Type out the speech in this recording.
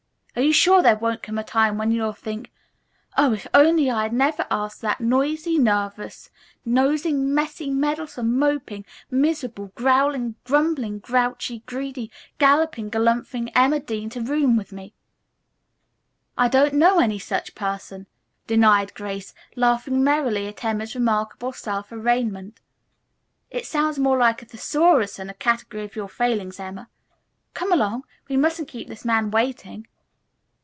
Are you sure there won't come a time when you'll think, 'Oh, if only I had never asked that noisy, nervous, nosing, messy, meddlesome, moping, miserable, growling, grumbling, grouchy, greedy, galloping, galumphing Emma Dean to room with me?'" "I don't know any such person," denied Grace, laughing merrily at Emma's remarkable self arraignment. "It sounds more like a Thesaurus than a category of your failings, Emma. Come along. We mustn't keep this man waiting."